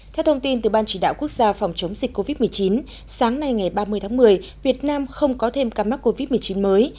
theo thông tin từ ban chỉ đạo quốc gia phòng chống dịch covid một mươi chín sáng nay ngày ba mươi tháng một mươi việt nam không có thêm ca mắc covid một mươi chín mới